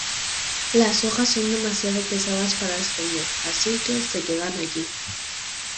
Las hojas son demasiado pesadas para ascender, así que se quedan allí.